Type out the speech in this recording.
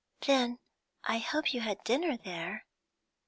'Then I hope you had dinner there?'